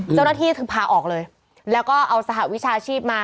เจ้าหน้าที่คือพาออกเลยแล้วก็เอาสหวิชาชีพมา